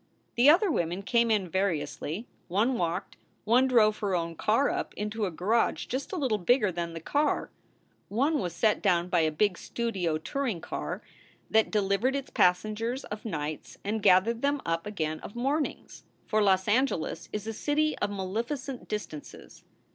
The other women came in variously. One walked. One drove her own car up into a garage just a little bigger than the car. One was set down by a big studio touring car that 12 iyo SOULS FOR SALE delivered its passengers of nights and gathered them up again of mornings, for Los Angeles is a city of ^ malificent distances.